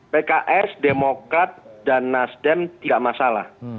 pks demokrat dan nasdem tidak masalah